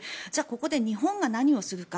ここで日本が何をするか。